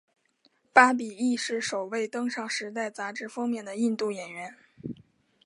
巴比亦是首位登上时代杂志封面的印度演员。